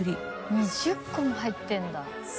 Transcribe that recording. ２０個も入ってるんだ。